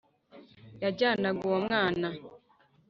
Yajyanaga uwo mwana